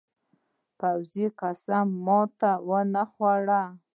پوخ قسم ماتې نه خوري